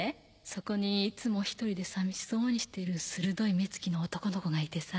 そこにいつも１人で寂しそうにしてる鋭い目つきの男の子がいてさ。